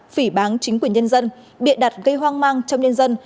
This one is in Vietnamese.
phỉ bán chính quyền nhân dân bịa đặt gây hoang mang trong nhân dân